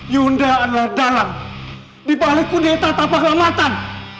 yunda adalah dalang dibalikku di etat tak terlamatan